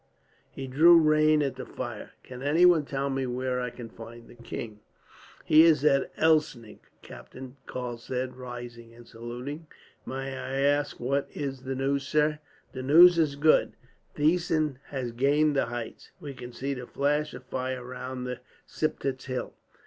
He drew rein at the fire. "Can anyone tell me where I can find the king?" "He is at Elsnig, captain," Karl said, rising and saluting. "May I ask what is the news, sir?" "The news is good. Ziethen has gained the heights. We can see the flash of fire round the Siptitz hill."